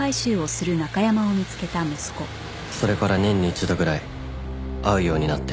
それから年に１度ぐらい会うようになって。